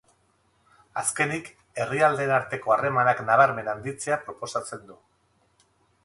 Azkenik, herrialdeen arteko harremanak nabarmen handitzea proposatzen du.